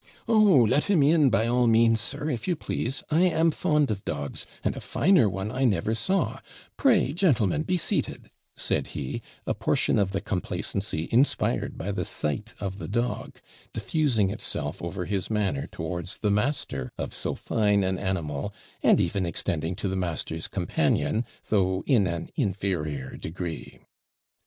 'Oh, let him in, by all means, sir, if you please! I am fond of dogs; and a finer one I never saw; pray, gentlemen, be seated,' said he a portion of the complacency inspired by the sight of the dog, diffusing itself over his manner towards the master of so fine an animal, and even extending to the master's companion, though in an inferior degree.